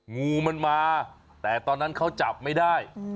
งูมันมาแต่ตอนนั้นเขาจับไม่ได้